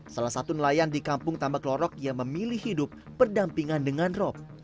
salah satu nelayan di kampung tambak lorok yang memilih hidup berdampingan dengan rop